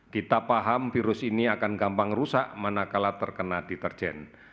kita paham virus ini akan gampang rusak manakala terkena deterjen